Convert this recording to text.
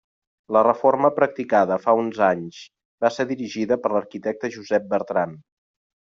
La reforma practicada fa uns anys va ser dirigida per l'arquitecte Josep Bertran.